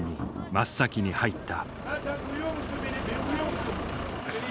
真っ先に入った。